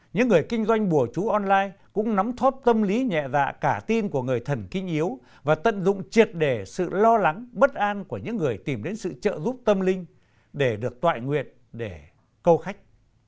những người kinh doanh bùa chú online cũng nắm thóp tâm lý nhẹ dạ cả tin của người thần kinh yếu và tận dụng triệt đề sự lo lắng bất an của những người tìm đến sự trợ giúp tâm linh để được tọa nguyện để câu khách